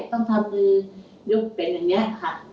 ต้องทำมือยกเป็นอย่างนี้ค่ะ